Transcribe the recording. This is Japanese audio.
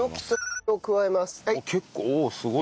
結構おおっすごい。